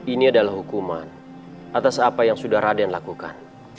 ini adalah hukuman atas apa yang sudah raden lakukan